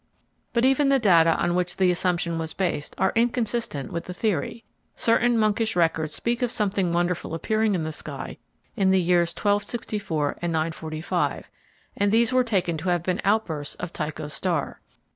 But even the data on which the assumption was based are inconsistent with the theory. Certain monkish records speak of something wonderful appearing in the sky in the years 1264 and 945, and these were taken to have been outbursts of Tycho's star.